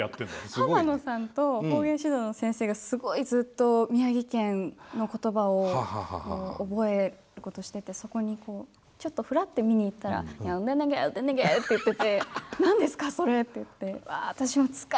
浜野さんと方言指導の先生がすごいずっと宮城県の言葉を覚えることしててそこにこうちょっとふらって見に行ったらって言ってて「何ですか？それ」って言って。